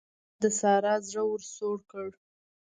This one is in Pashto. احمد د سارا زړه ور سوړ کړ.